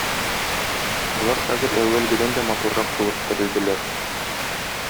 Болар хәзер әүвәлгедән дә матуррак булып терелделәр.